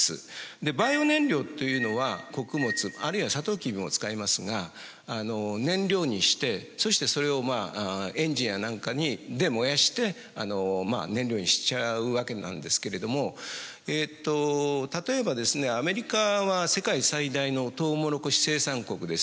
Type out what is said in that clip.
でバイオ燃料というのは穀物あるいはサトウキビも使いますが燃料にしてそしてそれをエンジンや何かで燃やして燃料にしちゃうわけなんですけれどもえと例えばですねアメリカは世界最大のトウモロコシ生産国です。